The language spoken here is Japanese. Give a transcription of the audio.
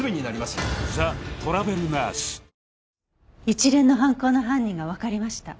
一連の犯行の犯人がわかりました。